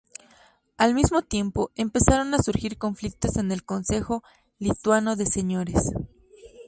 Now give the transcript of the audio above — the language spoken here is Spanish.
Al mismo tiempo, empezaron a surgir conflictos en el Consejo lituano de Señores.